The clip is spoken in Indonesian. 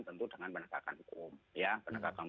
tentu dengan penegakan hukum